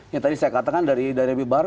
yang tadi saya katakan dari dari bihar